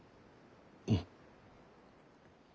うん。